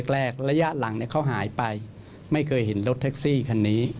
ระยะหลังเขาหายไปไม่เคยเห็นรถแท็กซี่คันนี้